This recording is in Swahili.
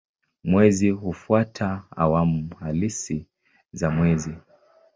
Mwezi hufuata awamu halisi za mwezi.